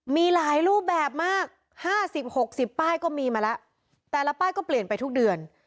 มีหลายรูปแบบมากห้าสิบหกสิบป้ายก็มีมาแล้วแต่ละป้ายก็เปลี่ยนไปทุกเดือน